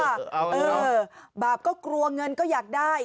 เออบาปก็กลัวเงินก็อยากได้